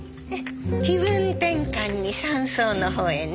気分転換に山荘のほうへね。